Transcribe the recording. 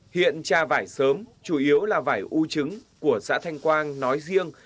hiện trà vải sớm chủ yếu là vải u trứng của xã thanh quang nói riêng